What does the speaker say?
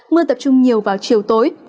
mưa tập trung nhiều vào chiều tối